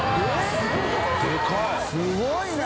すごい！い